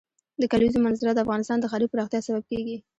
د کلیزو منظره د افغانستان د ښاري پراختیا سبب کېږي.